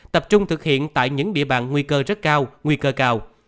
tập trung thực hiện tại những địa bàn nguy cơ rất cao nguy cơ cao